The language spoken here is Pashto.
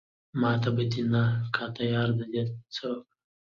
ماته به دې نه کاته ياره دا دې څه اوکړه